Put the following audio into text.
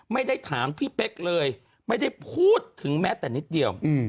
ไม่ได้ถามพี่เป๊กเลยไม่ได้พูดถึงแม้แต่นิดเดียว